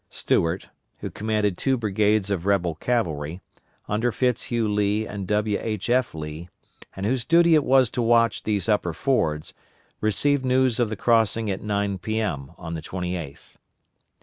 Stuart, who commanded two brigades of rebel cavalry, under Fitz Hugh Lee and W. H. F. Lee, and whose duty it was to watch these upper fords, received news of the crossing at 9 P.M., on the 28th.